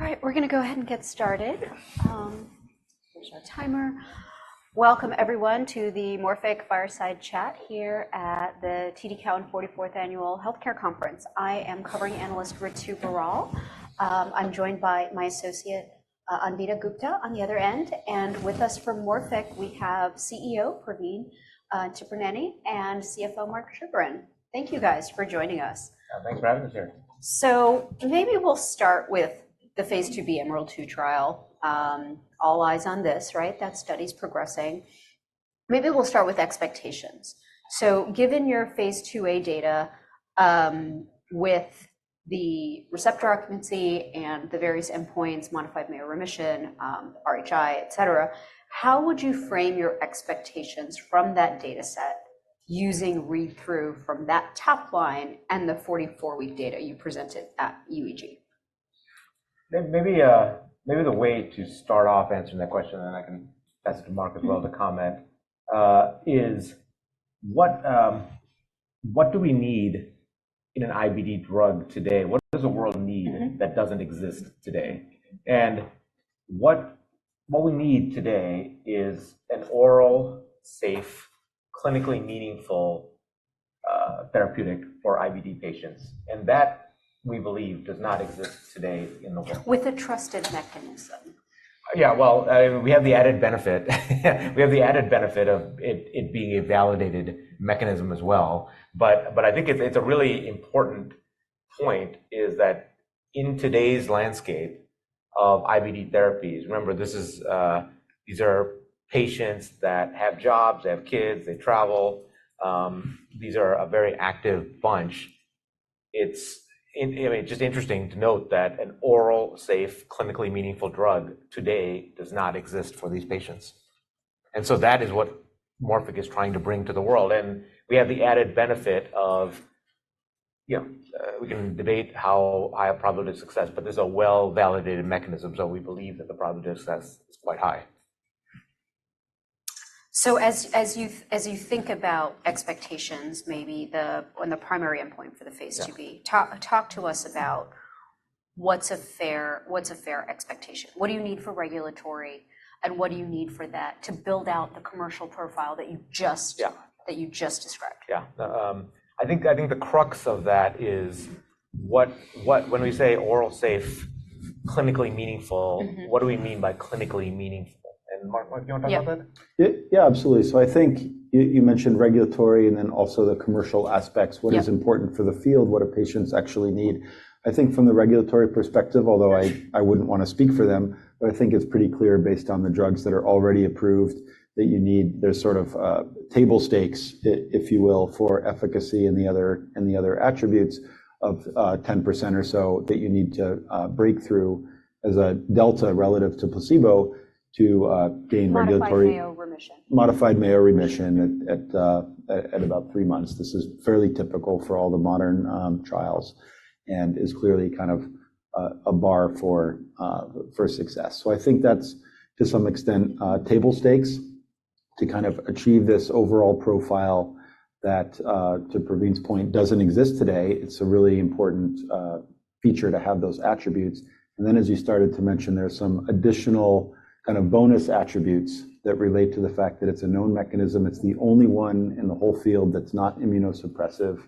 All right, we're going to go ahead and get started. Here's our timer. Welcome, everyone, to the Morphic Fireside Chat here at the TD Cowen 44th Annual Health Care Conference. I am covering analyst Ritu Baral. I'm joined by my associate, Anvita Gupta on the other end. And with us from Morphic, we have CEO Praveen Tipirneni and CFO Marc Schegerin. Thank you guys for joining us. Yeah, thanks for having us here. So maybe we'll start with the Phase 2b EMERALD-2 trial. All eyes on this, right? That study's progressing. Maybe we'll start with expectations. So given your Phase 2a data, with the receptor occupancy and the various endpoints, Modified Mayo Remission, RHI, etc., how would you frame your expectations from that dataset using read-through from that top line and the 44-week data you presented at UEG? Maybe, maybe the way to start off answering that question, and then I can ask Marc as well to comment, is what do we need in an IBD drug today? What does the world need that doesn't exist today? And what we need today is an oral, safe, clinically meaningful therapeutic for IBD patients. And that, we believe, does not exist today in the world. With a trusted mechanism. Yeah, well, I mean, we have the added benefit. We have the added benefit of it, it being a validated mechanism as well. But I think it's a really important point is that in today's landscape of IBD therapies, remember, this is, these are patients that have jobs, they have kids, they travel, these are a very active bunch. It's, I mean, it's just interesting to note that an oral, safe, clinically meaningful drug today does not exist for these patients. And so that is what Morphic is trying to bring to the world. And we have the added benefit of, you know, we can debate how high a probability of success, but there's a well-validated mechanism, so we believe that the probability of success is quite high. So, as you think about expectations, maybe the primary endpoint for the Phase 2b. Talk to us about what's a fair expectation. What do you need for regulatory, and what do you need for that to build out the commercial profile that you just. That you just described? Yeah. I think I think the crux of that is what, what when we say oral, safe, clinically meaningful, what do we mean by clinically meaningful? And Marc, Marc, do you want to talk about that? Yeah. Yeah, absolutely. So I think you, you mentioned regulatory and then also the commercial aspects. What is important for the field? What do patients actually need? I think from the regulatory perspective, although I, I wouldn't want to speak for them, but I think it's pretty clear based on the drugs that are already approved that you need there's sort of, table stakes, i-if you will, for efficacy and the other and the other attributes of, 10% or so that you need to, break through as a delta relative to placebo to, gain regulatory. Modified Mayo Remission. Modified Mayo Remission at about three months. This is fairly typical for all the modern trials and is clearly kind of a bar for success. So I think that's, to some extent, table stakes to kind of achieve this overall profile that, to Praveen's point, doesn't exist today. It's a really important feature to have those attributes. And then, as you started to mention, there are some additional kind of bonus attributes that relate to the fact that it's a known mechanism. It's the only one in the whole field that's not immunosuppressive.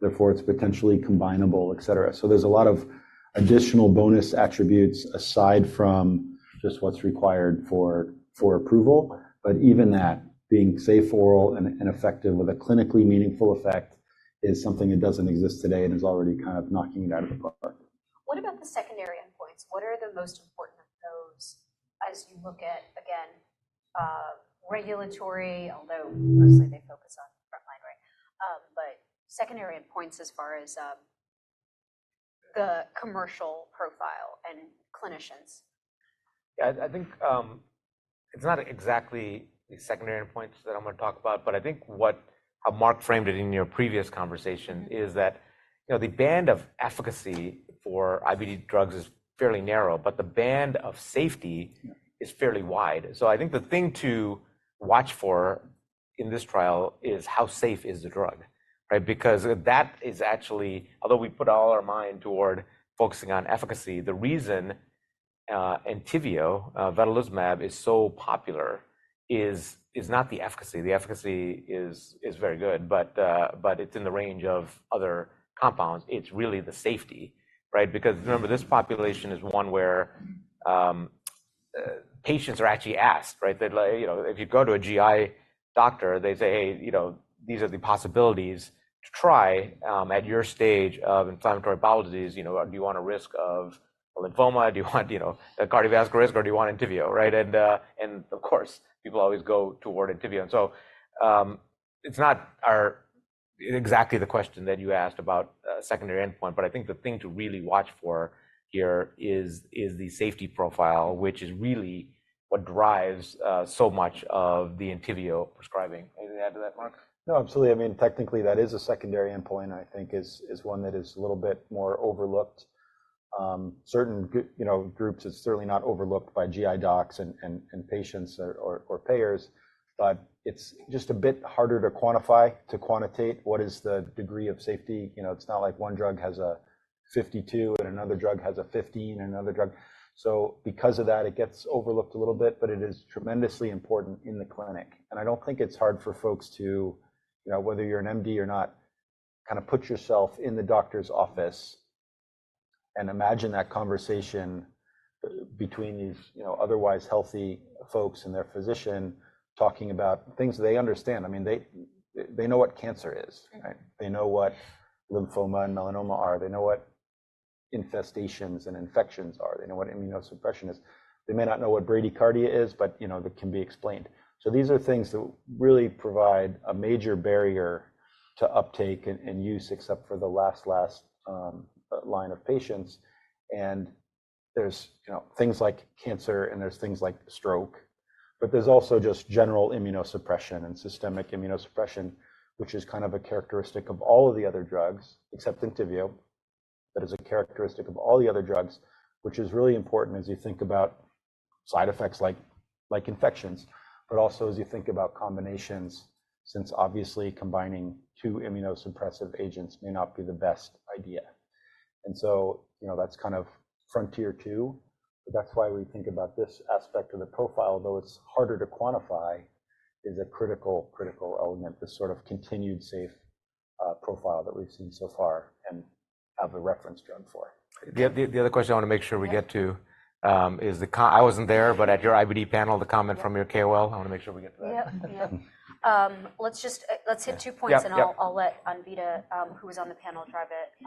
Therefore, it's potentially combinable, etc. So there's a lot of additional bonus attributes aside from just what's required for approval. But even that, being safe oral and effective with a clinically meaningful effect is something that doesn't exist today, and it's already kind of knocking it out of the park. What about the secondary endpoints? What are the most important of those as you look at, again, regulatory, although mostly they focus on frontline, right? But secondary endpoints as far as the commercial profile and clinicians? Yeah, I think it's not exactly the secondary endpoints that I'm going to talk about, but I think how Marc framed it in your previous conversation is that, you know, the band of efficacy for IBD drugs is fairly narrow, but the band of safety is fairly wide. So I think the thing to watch for in this trial is how safe is the drug, right? Because that is actually although we put all our mind toward focusing on efficacy, the reason Entyvio, vedolizumab is so popular is not the efficacy. The efficacy is very good, but it's in the range of other compounds. It's really the safety, right? Because remember, this population is one where patients are actually asked, right? They're like, you know, if you go to a GI doctor, they say, "Hey, you know, these are the possibilities to try, at your stage of inflammatory bowel disease. You know, do you want a risk of a lymphoma? Do you want, you know, a cardiovascular risk, or do you want Entyvio?" Right? And of course, people always go toward Entyvio. And so, it's not exactly the question that you asked about, secondary endpoint, but I think the thing to really watch for here is the safety profile, which is really what drives so much of the Entyvio prescribing. Anything to add to that, Marc? No, absolutely. I mean, technically, that is a secondary endpoint, I think, one that is a little bit more overlooked. Certain groups, you know, it's certainly not overlooked by GI docs and patients or payers, but it's just a bit harder to quantify to quantitate what is the degree of safety. You know, it's not like one drug has a 52 and another drug has a 15 and another drug. So because of that, it gets overlooked a little bit, but it is tremendously important in the clinic. And I don't think it's hard for folks to, you know, whether you're an MD or not, kind of put yourself in the doctor's office and imagine that conversation between these, you know, otherwise healthy folks and their physician talking about things they understand. I mean, they know what cancer is, right? They know what lymphoma and melanoma are. They know what infestations and infections are. They know what immunosuppression is. They may not know what bradycardia is, but, you know, it can be explained. These are things that really provide a major barrier to uptake and, and use except for the last, last, line of patients. There's, you know, things like cancer, and there's things like stroke. There's also just general immunosuppression and systemic immunosuppression, which is kind of a characteristic of all of the other drugs, except Entyvio. That is a characteristic of all the other drugs, which is really important as you think about side effects like, like infections, but also as you think about combinations, since obviously combining two immunosuppressive agents may not be the best idea. You know, that's kind of frontier two. That's why we think about this aspect of the profile, though it's harder to quantify, is a critical, critical element, this sort of continued safe profile that we've seen so far and have a reference drug for. The other question I want to make sure we get to is the comment. I wasn't there, but at your IBD panel, the comment from your KOL. I want to make sure we get to that. Yeah, yeah. Let's hit two points, and I'll, I'll let Anvita, who was on the panel, drive it.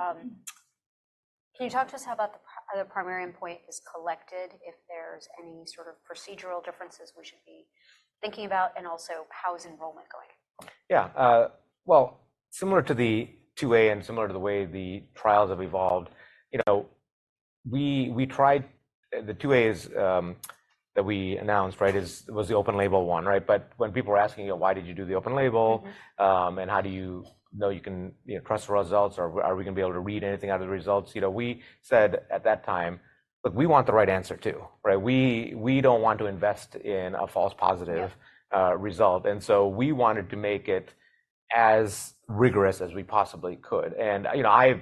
Can you talk to us about the primary endpoint is collected if there's any sort of procedural differences we should be thinking about, and also how is enrollment going? Yeah. Well, similar to the 2A and similar to the way the trials have evolved, you know, we tried the 2A, that we announced, right, was the open label one, right? But when people were asking, you know, "Why did you do the open label? And how do you know you can, you know, trust the results? Or are we going to be able to read anything out of the results?" You know, we said at that time, "Look, we want the right answer too, right? We don't want to invest in a false positive result." And so we wanted to make it as rigorous as we possibly could. You know, at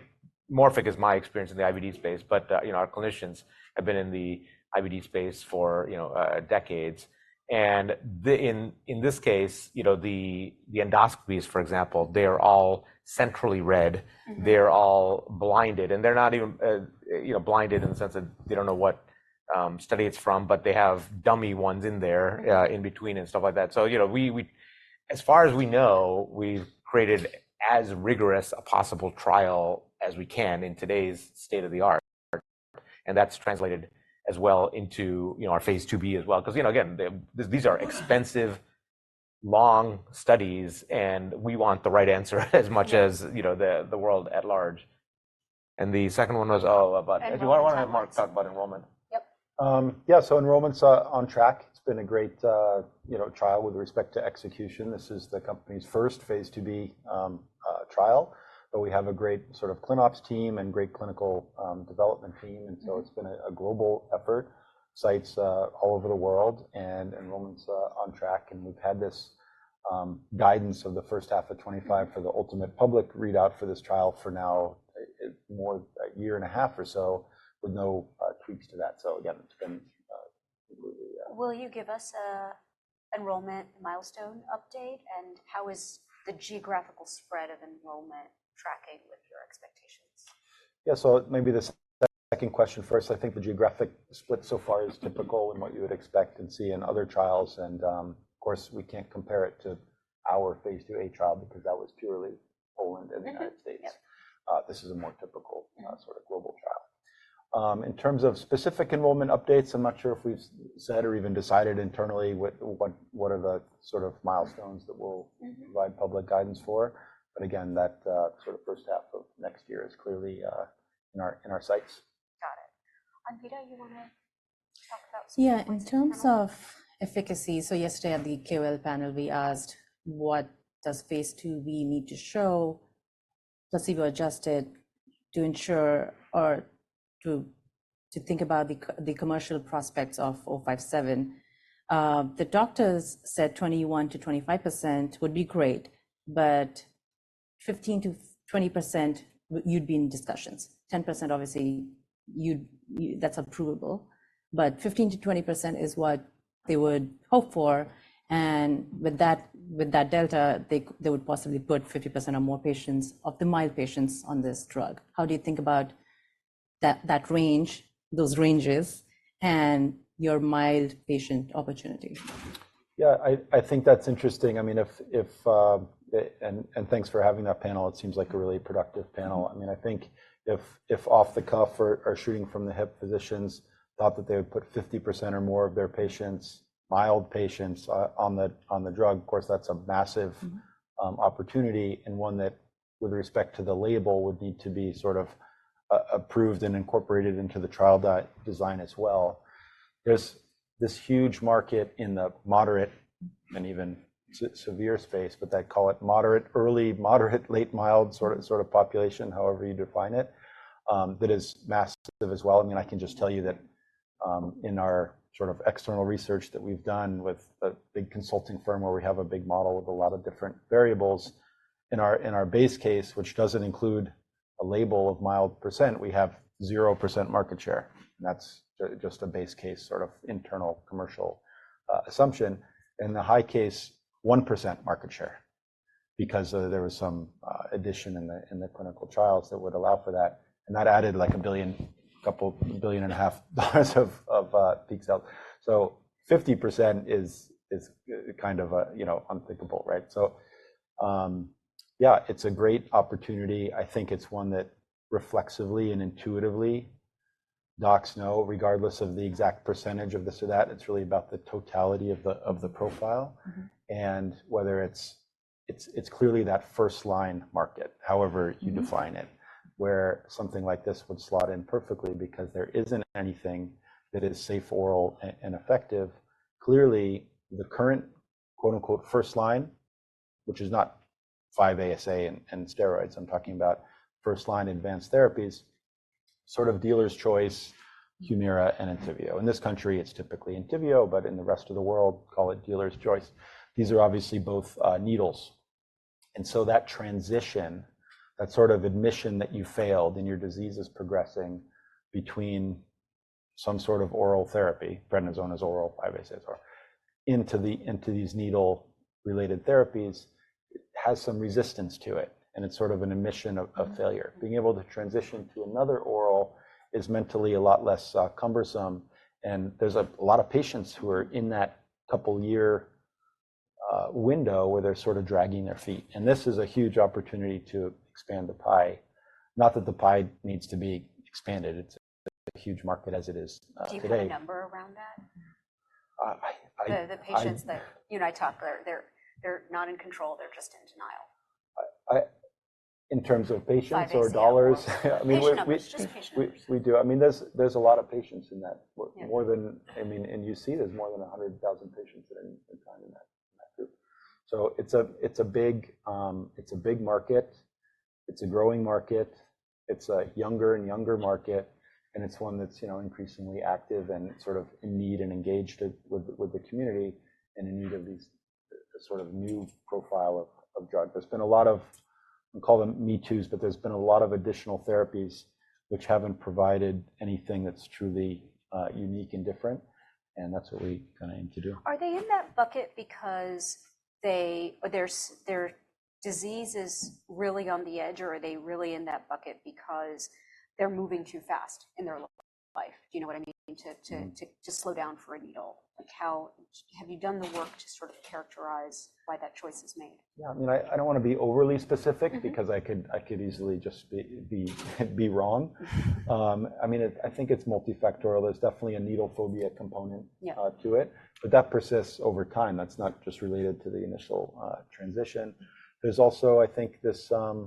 Morphic my experience in the IBD space, but, you know, our clinicians have been in the IBD space for, you know, decades. In this case, you know, the endoscopies, for example, they are all centrally read. They're all blinded. They're not even, you know, blinded in the sense that they don't know what study it's from, but they have dummy ones in there, in between and stuff like that. So, you know, we as far as we know, we've created as rigorous a possible trial as we can in today's state of the art. That's translated as well into, you know, our Phase 2b as well. Because, you know, again, these are expensive, long studies, and we want the right answer as much as, you know, the world at large. The second one was, oh, about do you want to have Marc talk about enrollment? Yeah, so enrollment's on track. It's been a great, you know, trial with respect to execution. This is the company's first Phase 2b trial. But we have a great sort of ClinOps team and great clinical development team. And so it's been a global effort. Sites all over the world, and enrollment's on track. And we've had this guidance of the first half of 2025 for the ultimate public readout for this trial for now, more than a year and a half or so with no tweaks to that. So again, it's been completely, Will you give us a enrollment milestone update? And how is the geographical spread of enrollment tracking with your expectations? Yeah, so maybe the second question first. I think the geographic split so far is typical in what you would expect and see in other trials. And, of course, we can't compare it to our Phase 2a trial because that was purely Poland and the United States. This is a more typical, sort of global trial. In terms of specific enrollment updates, I'm not sure if we've said or even decided internally what, what, what are the sort of milestones that we'll provide public guidance for. But again, that, sort of first half of next year is clearly in our sights. Got it. Anvita, you want to talk about some of those? Yeah. In terms of efficacy, so yesterday at the KOL panel, we asked, "What does Phase 2b need to show? Placebo adjusted to ensure or to think about the commercial prospects of MORF-057?" The doctors said 21%-25% would be great, but 15%-20%, you'd be in discussions. 10%, obviously, you'd, that's approvable. But 15%-20% is what they would hope for. And with that delta, they would possibly put 50% or more patients of the mild patients on this drug. How do you think about that range, those ranges, and your mild patient opportunity? Yeah, I think that's interesting. I mean, thanks for having that panel. It seems like a really productive panel. I mean, I think if off the cuff or shooting from the hip, physicians thought that they would put 50% or more of their patients, mild patients, on the drug. Of course, that's a massive opportunity and one that with respect to the label would need to be sort of approved and incorporated into the trial design as well. There's this huge market in the moderate and even severe space, but they call it moderate, early, moderate, late, mild sort of population, however you define it, that is massive as well. I mean, I can just tell you that, in our sort of external research that we've done with a big consulting firm where we have a big model with a lot of different variables, in our base case, which doesn't include a label for mild patients, we have 0% market share. And that's just a base case sort of internal commercial assumption. In the high case, 1% market share because there was some addition in the clinical trials that would allow for that. And that added like $1 billion, a couple billion and a half dollars of peak sales. So 50% is kind of a, you know, unthinkable, right? So, yeah, it's a great opportunity. I think it's one that reflexively and intuitively docs know, regardless of the exact percentage of this or that. It's really about the totality of the profile. And whether it's clearly that first-line market, however you define it, where something like this would slot in perfectly because there isn't anything that is safe, oral, and effective. Clearly, the current quote-unquote "first line," which is not 5-ASA and steroids. I'm talking about first-line advanced therapies, sort of dealer's choice, Humira and Entyvio. In this country, it's typically Entyvio, but in the rest of the world, call it dealer's choice. These are obviously both needles. And so that transition, that sort of admission that you failed and your disease is progressing between some sort of oral therapy, prednisone as oral, 5-ASA, into these needle-related therapies, it has some resistance to it. And it's sort of an admission of failure. Being able to transition to another oral is mentally a lot less cumbersome. There's a lot of patients who are in that couple-year window where they're sort of dragging their feet. This is a huge opportunity to expand the pie. Not that the pie needs to be expanded. It's a huge market as it is today. Do you have a number around that? The patients that you and I talk, they're not in control. They're just in denial. I in terms of patients or dollars? Patient numbers. I mean, we do. I mean, there's a lot of patients in that, more than—I mean, in UC, there's more than 100,000 patients that are in time in that group. So it's a big market. It's a growing market. It's a younger and younger market. And it's one that's, you know, increasingly active and sort of in need and engaged with the community and in need of these sort of new profile of drug. There's been a lot of—I'll call them me-toos—but there's been a lot of additional therapies which haven't provided anything that's truly unique and different. And that's what we kind of aim to do. Are they in that bucket because they or theirs, their disease is really on the edge, or are they really in that bucket because they're moving too fast in their life? Do you know what I mean? To slow down for a needle? Like, how have you done the work to sort of characterize why that choice is made? Yeah. I mean, I don't want to be overly specific because I could easily just be wrong. I mean, I think it's multifactorial. There's definitely a needle phobia component to it, but that persists over time. That's not just related to the initial transition. There's also, I think, this, you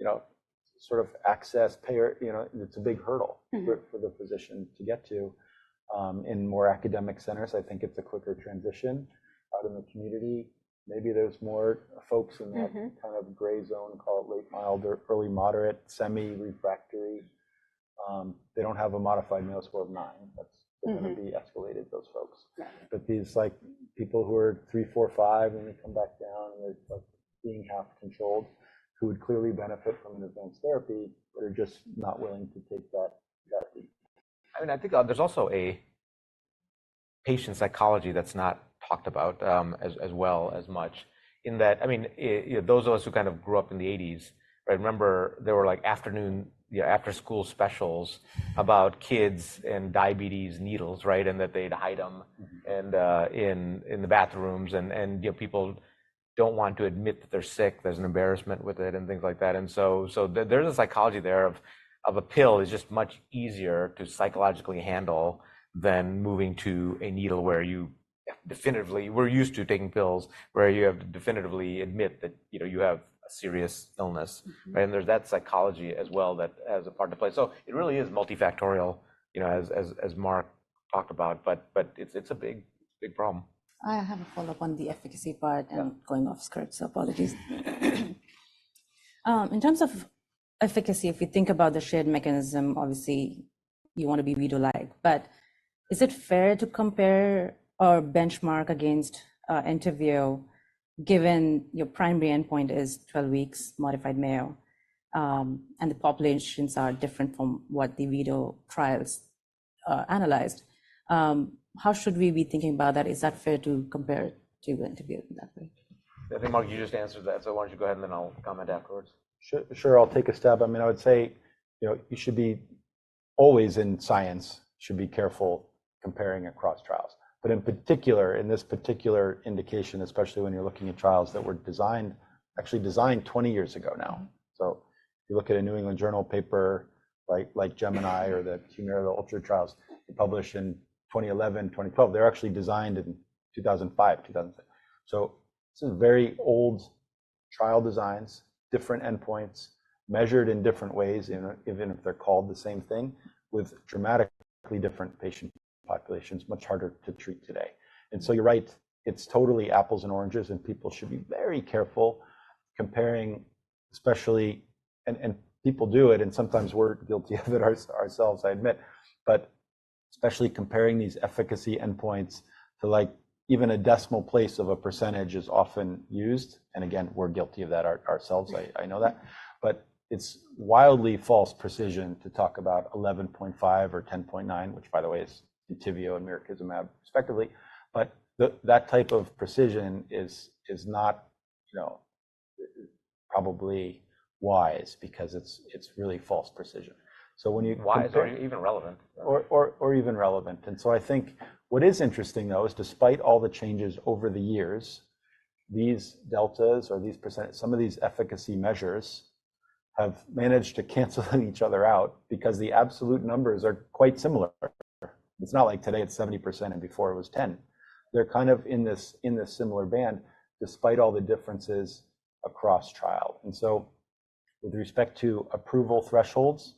know, sort of access payer, you know, it's a big hurdle for the physician to get to, in more academic centers. I think it's a quicker transition out in the community. Maybe there's more folks in that kind of gray zone, call it late mild or early moderate, semi-refractory. They don't have a Modified Mayo of 9. That's going to be escalated, those folks. But these, like, people who are 3, 4, 5, and they come back down and they're, like, being half-controlled, who would clearly benefit from an advanced therapy but are just not willing to take that therapy. I mean, I think there's also a patient psychology that's not talked about as well as much in that I mean, you know, those of us who kind of grew up in the '80s, right, remember there were, like, afternoon, you know, after-school specials about kids and diabetes needles, right, and that they'd hide them in the bathrooms. And you know, people don't want to admit that they're sick. There's an embarrassment with it and things like that. So there's a psychology there of a pill is just much easier to psychologically handle than moving to a needle where you definitively we're used to taking pills where you have to definitively admit that, you know, you have a serious illness, right? And there's that psychology as well that has a part to play. So it really is multifactorial, you know, as Marc talked about. But it's a big, big problem. I have a follow-up on the efficacy part and going off-script. So apologies. In terms of efficacy, if we think about the shared mechanism, obviously, you want to be VEDO-like. But is it fair to compare or benchmark against Entyvio, given your primary endpoint is 12 weeks, Modified Mayo, and the populations are different from what the VEDO trials analyzed? How should we be thinking about that? Is that fair to compare it to Entyvio in that way? I think, Marc, you just answered that. So why don't you go ahead, and then I'll comment afterwards? Sure, sure. I'll take a step. I mean, I would say, you know, you should be always in science, should be careful comparing across trials. But in particular, in this particular indication, especially when you're looking at trials that were designed, actually designed 20 years ago now. So if you look at a New England Journal paper like, like Gemini or the Humira ULTRA trials published in 2011, 2012, they're actually designed in 2005, 2006. So this is very old trial designs, different endpoints, measured in different ways, even if they're called the same thing, with dramatically different patient populations, much harder to treat today. And so you're right. It's totally apples and oranges, and people should be very careful comparing, especially and, and people do it, and sometimes we're guilty of it ourselves, I admit. But especially comparing these efficacy endpoints to, like, even a decimal place of a percentage is often used. And again, we're guilty of that ourselves. I, I know that. But it's wildly false precision to talk about 11.5% or 10.9%, which, by the way, is Entyvio and mirikizumab, respectively. But that type of precision is, is not, you know, probably wise because it's, it's really false precision. So when you compare. Wise or even relevant. Or even relevant. And so I think what is interesting, though, is despite all the changes over the years, these deltas or these percent, some of these efficacy measures have managed to cancel each other out because the absolute numbers are quite similar. It's not like today it's 70% and before it was 10%. They're kind of in this similar band despite all the differences across trial. And so with respect to approval thresholds,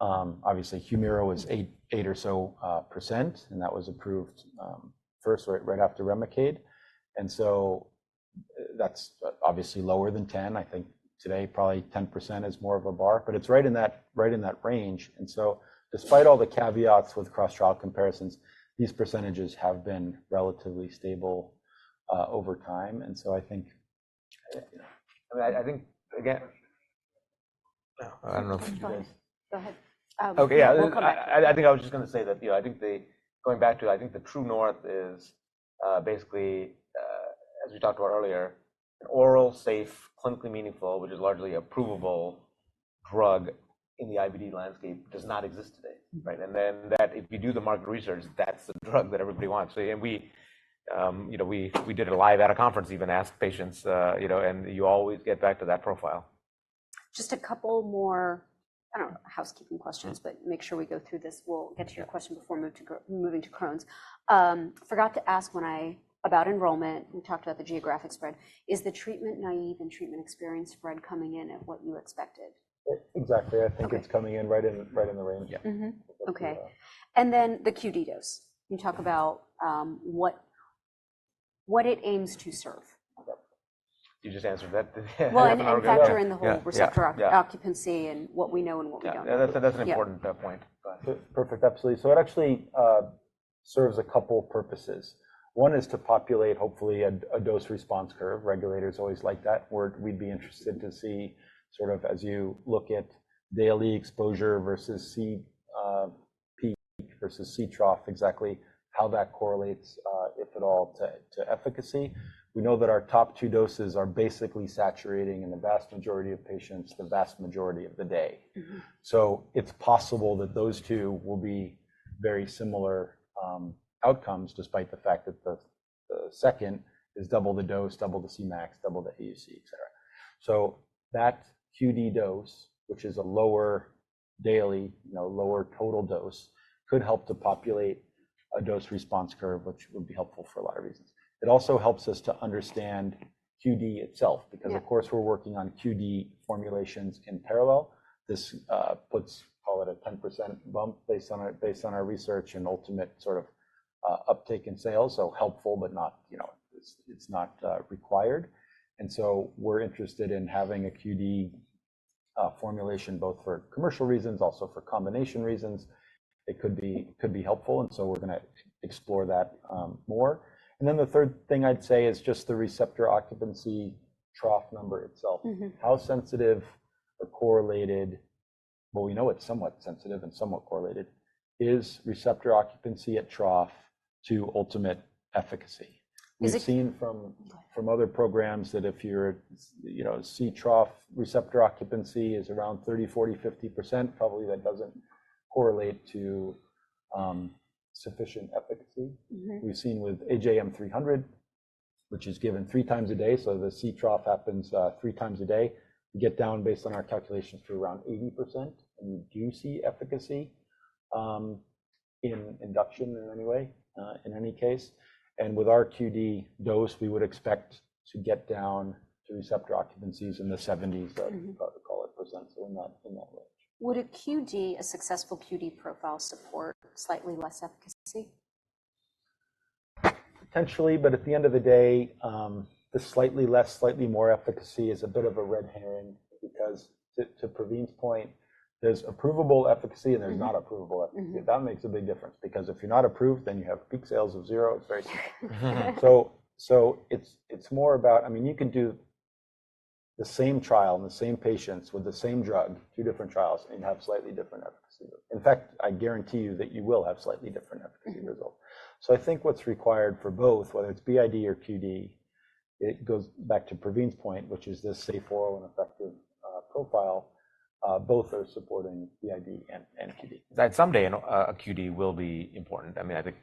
obviously, Humira was 8% or so, and that was approved first right after Remicade. And so that's obviously lower than 10%. I think today, probably 10% is more of a bar. But it's right in that range. And so despite all the caveats with cross-trial comparisons, these percentages have been relatively stable over time. And so I think, you know. I mean, I think, again, I don't know if you guys. Go ahead. Okay. Yeah. I think I was just going to say that, you know, I think the going back to, I think the true north is, basically, as we talked about earlier, an oral, safe, clinically meaningful, which is largely approvable drug in the IBD landscape does not exist today, right? And then that if you do the market research, that's the drug that everybody wants. So and we, you know, we, we did it live at a conference, even asked patients, you know, and you always get back to that profile. Just a couple more, I don't know, housekeeping questions, but make sure we go through this. We'll get to your question before moving to Crohn's. Forgot to ask when I about enrollment. We talked about the geographic spread. Is the treatment naive and treatment experience spread coming in at what you expected? Exactly. I think it's coming in right in the range. Yeah. Okay. And then the QD dose. You talk about, what, what it aims to serve. You just answered that. Well, and it's another factor in the whole receptor occupancy and what we know and what we don't know. Yeah. That's an important point. Perfect. Absolutely. So it actually serves a couple purposes. One is to populate, hopefully, a dose response curve. Regulators always like that. We'd be interested to see sort of as you look at daily exposure versus Cmax versus C-trough, exactly how that correlates, if at all, to efficacy. We know that our top two doses are basically saturating in the vast majority of patients the vast majority of the day. So it's possible that those two will be very similar outcomes despite the fact that the second is double the dose, double the Cmax, double the AUC, etc. So that QD dose, which is a lower daily, you know, lower total dose, could help to populate a dose response curve, which would be helpful for a lot of reasons. It also helps us to understand QD itself because, of course, we're working on QD formulations in parallel. This puts, call it, a 10% bump based on our research and ultimate sort of uptake and sales. So helpful, but not, you know, it's not required. And so we're interested in having a QD formulation both for commercial reasons, also for combination reasons. It could be helpful. And so we're going to explore that more. And then the third thing I'd say is just the receptor occupancy trough number itself. How sensitive or correlated, well, we know it's somewhat sensitive and somewhat correlated, is receptor occupancy at trough to ultimate efficacy. We've seen from other programs that if you're, you know, C-trough receptor occupancy is around 30%, 40%, 50%, probably that doesn't correlate to sufficient efficacy. We've seen with AJM300, which is given three times a day. So the C trough happens, three times a day. We get down based on our calculations to around 80%. And you do see efficacy, in induction in any way, in any case. And with our QD dose, we would expect to get down to receptor occupancies in the 70s, call it percent. So in that in that range. Would a QD, a successful QD profile, support slightly less efficacy? Potentially. But at the end of the day, the slightly less, slightly more efficacy is a bit of a red herring because to, to Praveen's point, there's approvable efficacy and there's not approvable efficacy. That makes a big difference because if you're not approved, then you have peak sales of zero. It's very sad. So, so it's, it's more about I mean, you can do the same trial in the same patients with the same drug, two different trials, and you have slightly different efficacy. In fact, I guarantee you that you will have slightly different efficacy results. So I think what's required for both, whether it's BID or QD, it goes back to Praveen's point, which is this safe, oral, and effective, profile. Both are supporting BID and, and QD. That someday a QD will be important. I mean, I think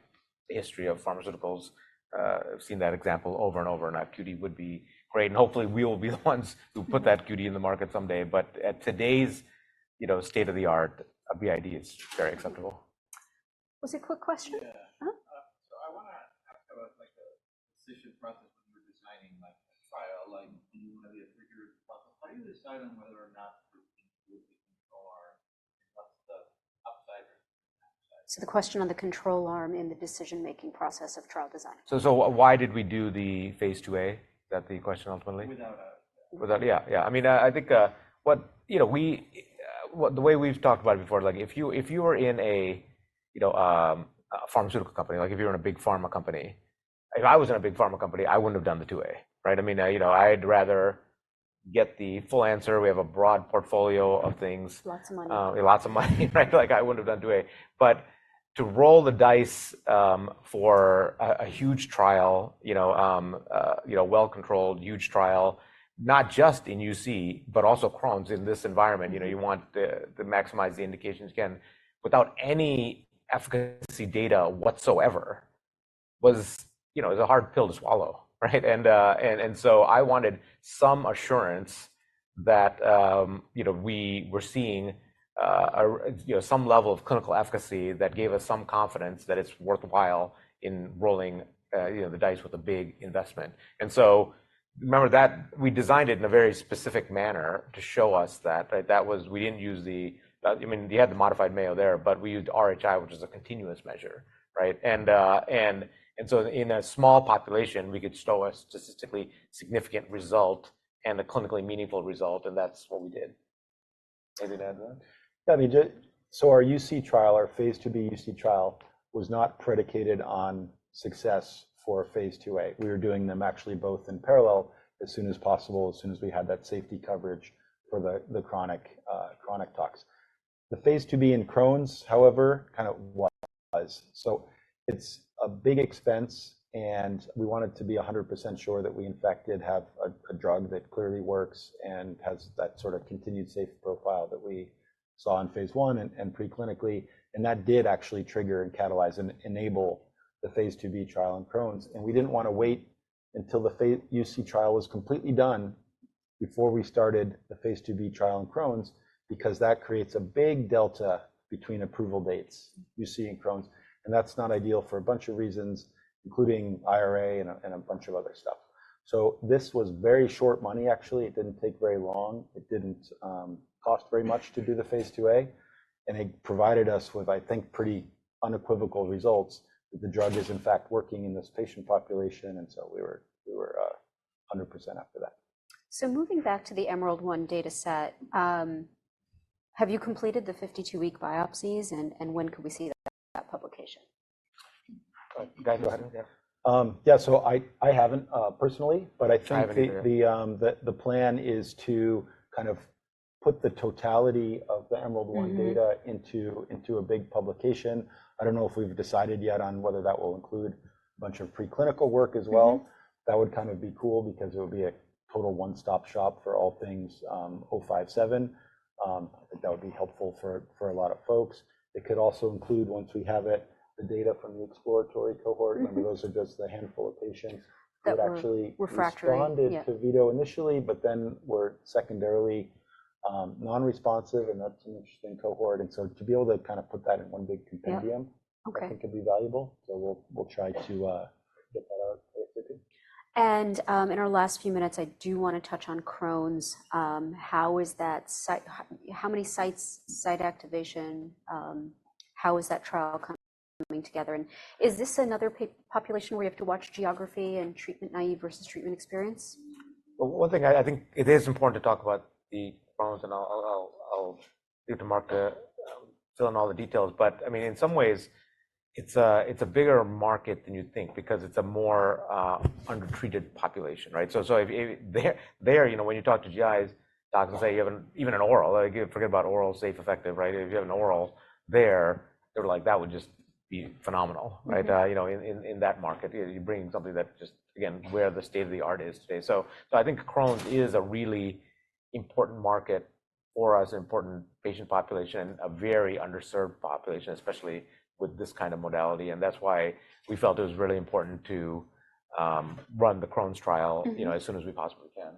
the history of pharmaceuticals have seen that example over and over. Now, QD would be great. And hopefully, we will be the ones who put that QD in the market someday. But at today's, you know, state of the art, a BID is very acceptable. Was it a quick question? Yeah. So I want to ask about, like, the decision process when you're designing, like, a trial. Like, do you want to be a trigger? How do you decide on whether or not to include the control arm, and what's the upside or the downside? The question on the control arm in the decision-making process of trial design. So, why did we do the Phase 2a? Is that the question ultimately? Without a. Yeah. I mean, I think, you know, the way we've talked about it before, like, if you were in a, you know, a pharmaceutical company, like, if you're in a big pharma company, if I was in a big pharma company, I wouldn't have done the 2A, right? I mean, you know, I'd rather get the full answer. We have a broad portfolio of things. Lots of money. Lots of money, right? Like, I wouldn't have done 2A. But to roll the dice, for a huge trial, you know, you know, well-controlled, huge trial, not just in UC, but also Crohn's in this environment, you know, you want to maximize the indications again without any efficacy data whatsoever was, you know, it's a hard pill to swallow, right? And so I wanted some assurance that, you know, we were seeing, you know, some level of clinical efficacy that gave us some confidence that it's worthwhile in rolling, you know, the dice with a big investment. And so remember that we designed it in a very specific manner to show us that, right, that was we didn't use the I mean, you had the Modified Mayo there, but we used RHI, which is a continuous measure, right? So in a small population, we could show a statistically significant result and a clinically meaningful result. And that's what we did. Anything to add to that? Yeah. I mean, just so our UC trial, our phase 2b UC trial, was not predicated on success for phase 2a. We were doing them actually both in parallel as soon as possible, as soon as we had that safety coverage for the chronic tox. The phase 2b in Crohn's, however, kind of was. So it's a big expense. And we wanted to be 100% sure that we in fact did have a drug that clearly works and has that sort of continued safe profile that we saw in phase 1 and preclinically. And that did actually trigger and catalyze and enable the phase 2b trial in Crohn's. And we didn't want to wait until the phase UC trial was completely done before we started the phase 2b trial in Crohn's because that creates a big delta between approval dates, UC and Crohn's. And that's not ideal for a bunch of reasons, including IRA and a bunch of other stuff. So this was very short money, actually. It didn't take very long. It didn't cost very much to do the phase 2a. And it provided us with, I think, pretty unequivocal results that the drug is, in fact, working in this patient population. And so we were 100% after that. So moving back to the EMERALD-1 dataset, have you completed the 52-week biopsies and when could we see that publication? Guys, go ahead. Yeah. So I haven't, personally, but I think the plan is to kind of put the totality of the EMERALD-1 data into a big publication. I don't know if we've decided yet on whether that will include a bunch of preclinical work as well. That would kind of be cool because it would be a total one-stop shop for all things, MORF-057. I think that would be helpful for a lot of folks. It could also include, once we have it, the data from the exploratory cohort. Remember, those are just a handful of patients that actually responded to VEDO initially, but then were secondarily non-responsive. And that's an interesting cohort. And so to be able to kind of put that in one big compendium, I think could be valuable. So we'll try to get that out if we can. In our last few minutes, I do want to touch on Crohn's. How is that site, how many sites, site activation, how is that trial coming together? And is this another population where you have to watch geography and treatment naive versus treatment experience? Well, one thing I think it is important to talk about the Crohn's, and I'll ask Marc to fill in all the details. But I mean, in some ways, it's a bigger market than you think because it's a more undertreated population, right? So if there you know, when you talk to GIs, doctors say you have even an oral, like, forget about oral, safe, effective, right? If you have an oral there, they're like, that would just be phenomenal, right? You know, in that market, you bring something that just, again, where the state of the art is today. So I think Crohn's is a really important market for us, an important patient population, a very underserved population, especially with this kind of modality. That's why we felt it was really important to run the Crohn's trial, you know, as soon as we possibly can.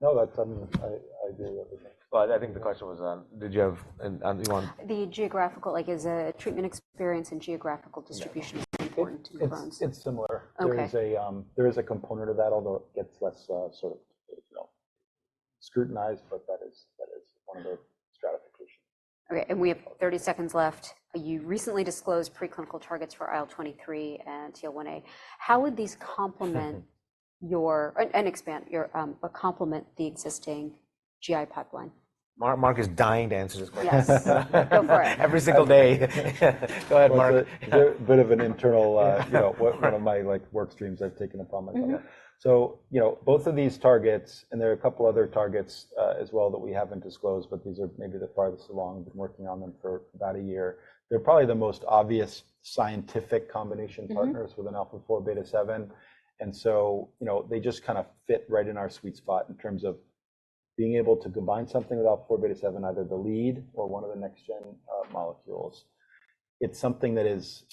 No, that's, I mean, I do everything. Well, I think the question was, did you have and you want. The geographical, like, is a treatment experience and geographical distribution important to Crohn's? It's similar. There is a component of that, although it gets less, sort of, you know, scrutinized, but that is one of the stratifications. Okay. We have 30 seconds left. You recently disclosed preclinical targets for IL-23 and TL1A. How would these complement your and expand your, but complement the existing GI pipeline? Marc, Marc is dying to answer this question. Yes. Go for it. Every single day. Go ahead, Marc. Bit of an internal, you know, one of my, like, work streams I've taken upon myself. So, you know, both of these targets, and there are a couple other targets, as well that we haven't disclosed, but these are maybe the farthest along. We've been working on them for about a year. They're probably the most obvious scientific combination partners with an alpha-4 beta-7. And so, you know, they just kind of fit right in our sweet spot in terms of being able to combine something with alpha-4 beta-7, either the lead or one of the next-gen molecules. It's something that is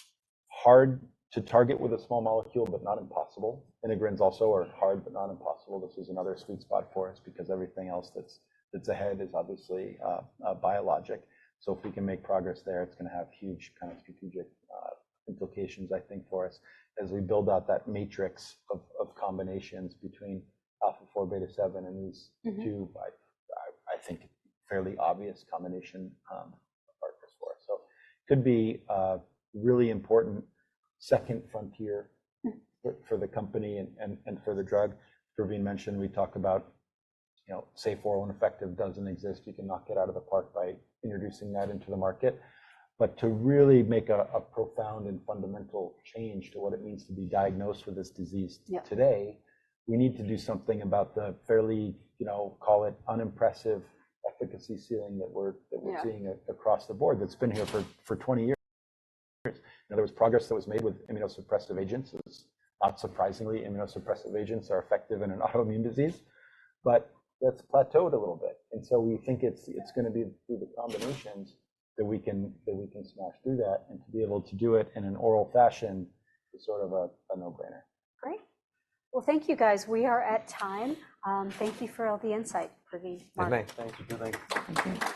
hard to target with a small molecule, but not impossible. Integrins also are hard, but not impossible. This is another sweet spot for us because everything else that's ahead is obviously biologic. So if we can make progress there, it's going to have huge kind of strategic implications, I think, for us as we build out that matrix of combinations between alpha-4 beta-7 and these two, I think, fairly obvious combination partners for us. So it could be really important second frontier for the company and for the drug. Praveen mentioned we talk about, you know, safe, oral, and effective doesn't exist. You can knock it out of the park by introducing that into the market. But to really make a profound and fundamental change to what it means to be diagnosed with this disease today, we need to do something about the fairly, you know, call it unimpressive efficacy ceiling that we're seeing across the board that's been here for 20 years. Now, there was progress that was made with immunosuppressive agents. Not surprisingly, immunosuppressive agents are effective in an autoimmune disease, but that's plateaued a little bit. And so we think it's going to be through the combinations that we can smash through that. And to be able to do it in an oral fashion is sort of a no-brainer. Great. Well, thank you, guys. We are at time. Thank you for all the insight, Praveen. Thank you. Thank you.